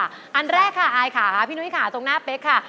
อันแรกค่ะอายค่ะพี่นุ้ยค่ะตรงหน้าเป๊กค่ะ